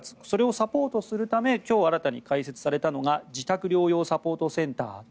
それをサポートするため今日新たに開設されたのが自宅療養サポートセンター